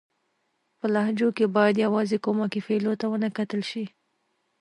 په لهجو کښي بايد يوازي کومکي فعلو ته و نه کتل سي.